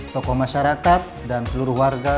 tokoh masyarakat dan seluruh warga